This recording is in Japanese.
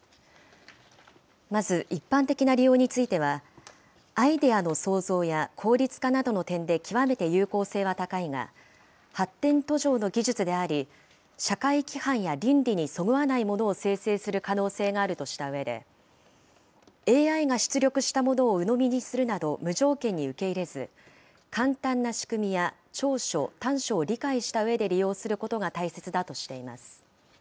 まず、一般的な利用については、アイデアの創造や効率化などの点で極めて有効性は高いが、発展途上の技術であり、社会規範や倫理にそぐわないものを生成する可能性があるとしたうえで、ＡＩが出力したものをうのみにするなど無条件に受け入れず、簡単な仕組みや長所・短所を理解したうえで利用することが大切だとしています。